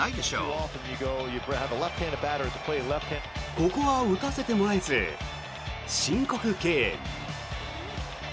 ここは打たせてもらえず申告敬遠。